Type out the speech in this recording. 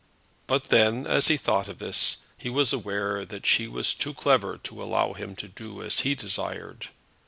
But then, as he thought of this, he was aware that she was too clever to allow him to do as he desired.